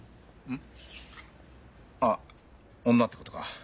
うん？あっ女ってことか？